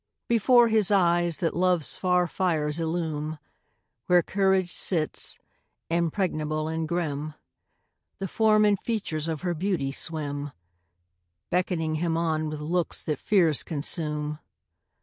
Before his eyes that love's far fires illume Where courage sits, impregnable and grim The form and features of her beauty swim, Beckoning him on with looks that fears consume.